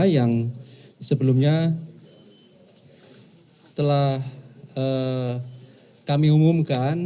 yang sebelumnya telah kami umumkan